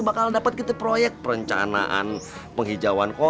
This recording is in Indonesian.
bakal dapat kita proyek perencanaan penghijauan